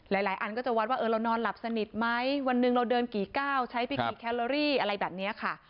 หลายอันก็จะวัดว่าเรานอนหลับสนิทไหมวันหนึ่งเราเดินกี่ก้าวใช้ไปกี่แคลอรี่อะไรแบบนี้ค่ะ